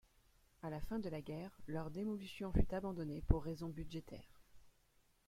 À la fin de la guerre, leur démolition fut abandonnée pour raisons budgétaires.